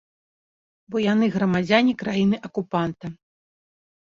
Бо яны грамадзяне краіны-акупанта.